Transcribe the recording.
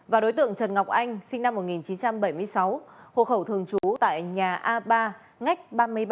và đối tượng trần ngọc anh sinh năm một nghìn chín trăm bảy mươi sáu hộ khẩu thường trú tại nhà a ba ngách ba mươi ba